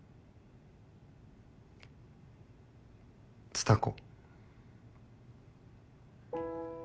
蔦子。